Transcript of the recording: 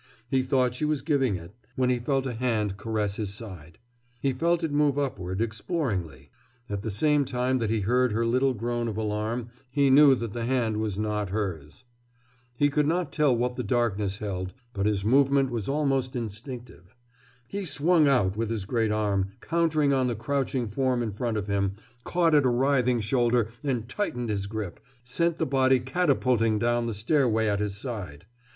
He thought she was giving it, when he felt a hand caress his side. He felt it move upward, exploringly. At the same time that he heard her little groan of alarm he knew that the hand was not hers. He could not tell what the darkness held, but his movement was almost instinctive. He swung out with his great arm, countered on the crouching form in front of him, caught at a writhing shoulder, and tightening his grip, sent the body catapulting down the stairway at his side.